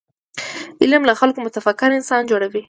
علم له خلکو متفکر انسانان جوړوي.